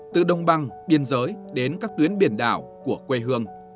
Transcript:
từ đồng băng biên giới đến các tuyến biển đảo của quê hương